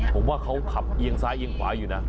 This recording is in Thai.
ผมว่าเค้าอย่างขวาแยงซ้ายอย่างุ่นนะ